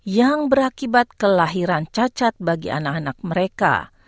yang berakibat kelahiran cacat bagi anak anak mereka